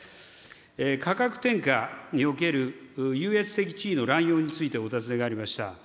価格転嫁における優越的地位の乱用についてお尋ねがありました。